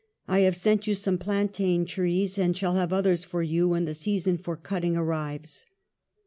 ... I have sent you some plantain trees and shall have others for you when the season for cutting arrives."